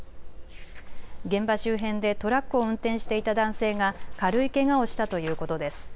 現場周辺でトラックを運転していた男性が軽いけがをしたということです。